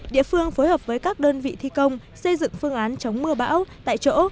địa phương phối hợp với các đơn vị thi công xây dựng phương án chống mưa bão tại chỗ